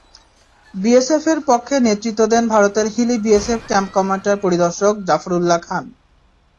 বিএসএফের পক্ষে নেতৃত্ব দেন ভারতের হিলি বিএসএফ ক্যাম্প কমান্ডার পরিদর্শক জাফরুল্লাহ খান।